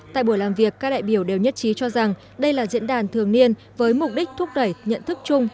tại buổi làm việc các đại biểu đều nhất trí cho rằng đây là diễn đàn thường niên với mục đích thúc đẩy nhận thức chung